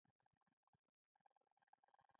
ګلان د دوستی نښه ده.